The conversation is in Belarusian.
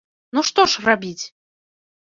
Ну што ж рабіць?